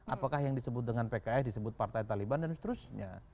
apakah yang disebut dengan pks disebut partai taliban dan seterusnya